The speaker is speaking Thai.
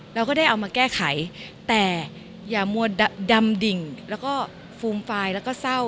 เราก็ได้เอามาแก้ไขแต่อย่ามัวดำดิ่งแล้วก็ฟูมฟายแล้วก็เศร้า